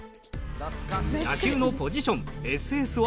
野球のポジションＳＳは？